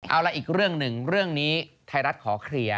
เอาละอีกเรื่องหนึ่งเรื่องนี้ไทยรัฐขอเคลียร์